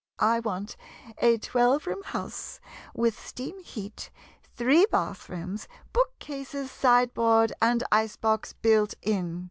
I want a twelve room house, with steam heat, three bath rooms, bookcases, sideboard, and ice box built in.